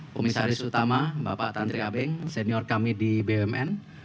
pemisaharis utama bapak tantri abeng senior kami di bumn